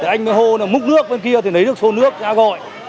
anh mới hô múc nước bên kia lấy được số nước ra gọi